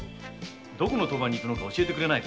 どこのトバに行くのか教えてくれないかな。